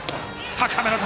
高めの球！